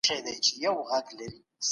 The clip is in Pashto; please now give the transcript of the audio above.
هغوی وايي چې د نورو احساس ښه درک کوي.